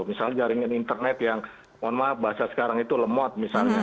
misalnya jaringan internet yang mohon maaf bahasa sekarang itu lemot misalnya